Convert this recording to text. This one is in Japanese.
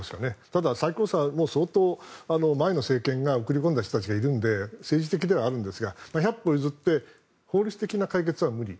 ただ、最高裁は相当前の政権が送り込んだ人たちがいるので政治的ではあるんですが百歩譲って法律的な解決は無理。